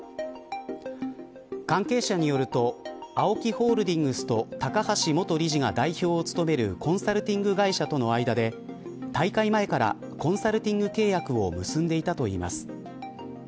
関係者によるとＡＯＫＩホールディングスと高橋元理事が代表を務めるコンサルティング会社との間で大会前からコンサルティング契約を結んでいたといいます。